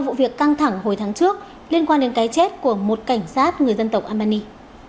vụ việc căng thẳng hồi tháng trước liên quan đến cái chết của một cảnh sát người dân tộc albany